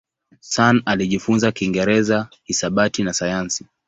Sun alijifunza Kiingereza, hisabati na sayansi.